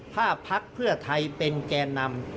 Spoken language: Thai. ถ้าพักเพื่อไทยเป็นแก่นำ